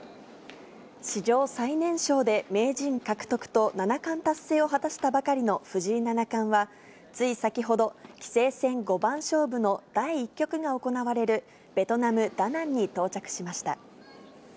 史上最年少で名人獲得と七冠達成を果たしたばかりの藤井七冠は、つい先ほど棋聖戦五番勝負の第１局が行われるベトナム・ダナンに到着しました。